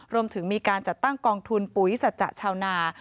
รวมถึงมีการจัดตั้งกองทุนปุ๋ยสัจจะชาวนา